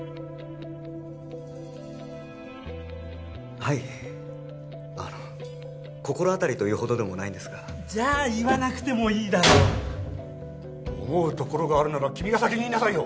はいあの心当たりというほどでもないんですがじゃあ言わなくてもいいだろ思うところがあるなら君が先に言いなさいよ